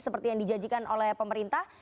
seperti yang dijanjikan oleh pemerintah